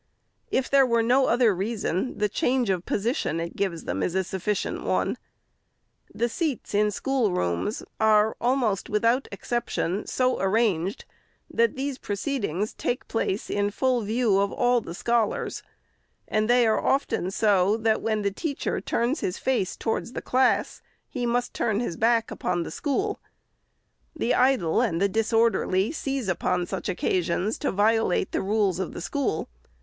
If there were no other reason, the change of position it gives them is a sufficient one. The seats in schoolrooms are, almost without exception, so arranged, that these proceedings take place in full view of all the scholars ; and they are often so, that when the teacher turns his face towards the class, he must turn his back ON SCHOOLHOUSES. 463 upon the school. The idle and disorderly seize upon such occasions to violate the rules of the school.